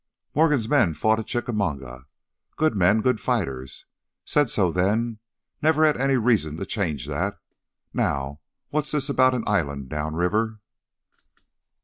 "Morgan's men fought at Chickamauga ... good men, good fighters. Said so then, never had any reason to change that. Now what's this about an island downriver?"